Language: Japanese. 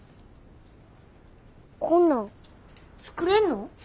こんなん作れんの？